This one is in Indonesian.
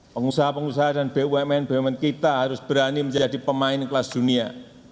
pengusaha pengusaha dan bumn bumn kita harus berani menjadi pemain kelas dunia